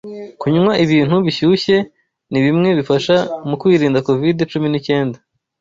Kunywa ibintu bishyushye nibimwe bifasha mu kwirinda covid cumi n'icyenda